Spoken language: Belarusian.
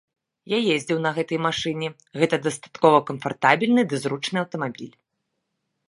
Я ездзіў на гэтай машыне, гэта дастаткова камфартабельны ды зручны аўтамабіль.